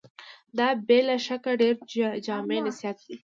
دا بې له شکه ډېر جامع نصيحت دی.